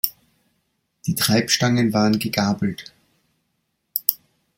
Die Treibstangen waren gegabelt.